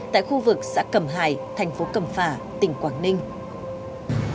tại khu vực xã cầm hải thành phố cầm phà tỉnh quảng ninh